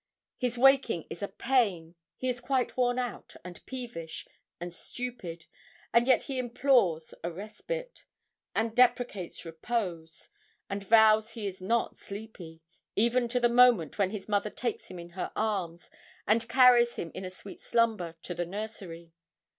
His waking is a pain; he is quite worn out, and peevish, and stupid, and yet he implores a respite, and deprecates repose, and vows he is not sleepy, even to the moment when his mother takes him in her arms, and carries him, in a sweet slumber, to the nursery.